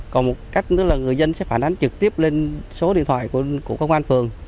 còn một cách nữa là người dân sẽ phản ánh trực tiếp lên số điện thoại của công an phường